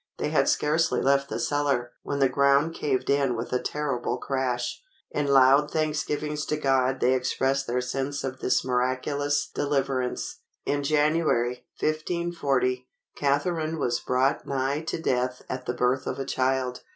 They had scarcely left the cellar, when the ground caved in with a terrible crash. In loud thanksgivings to God they expressed their sense of this miraculous deliverance. In January, 1540, Catharine was brought nigh to death at the birth of a child.